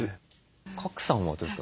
賀来さんはどうですか？